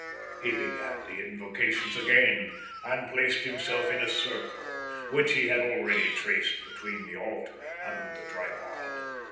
He began the invocations again and placed himself in a circle, which he had already traced between the altar and the tripod.